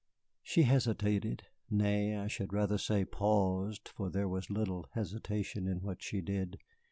She hesitated nay, I should rather say paused, for there was little hesitation in what she did.